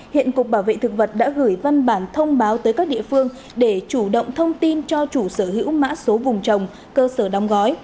hiện cục bảo vệ thực vật đã gửi văn bản thông báo tới các địa phương để chủ động thông tin cho chủ sở hữu mã số vùng trồng cơ sở đóng gói